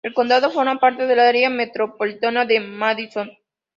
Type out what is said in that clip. El condado forma parte del área metropolitana de Madison.